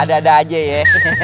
ada ada aja ya